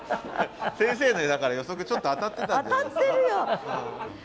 先生のだから予測ちょっと当たってたんじゃないですか。